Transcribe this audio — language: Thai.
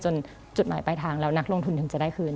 จุดหมายปลายทางแล้วนักลงทุนถึงจะได้คืน